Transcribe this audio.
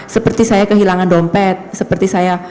seperti saya kehilangan dompet seperti saya